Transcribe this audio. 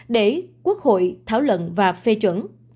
để quốc hội thảo luận và phê chuẩn